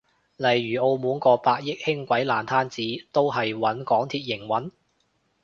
例如澳門個百億輕軌爛攤子都係搵港鐵營運？